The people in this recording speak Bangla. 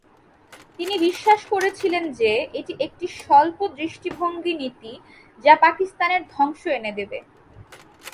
তিনি বিশ্বাস করেছিলেন যে এটি একটি "স্বল্প দৃষ্টিভঙ্গি নীতি" যা পাকিস্তানের "ধ্বংস" এনে দেবে।